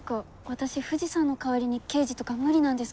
私藤さんの代わりに刑事とか無理なんですけど。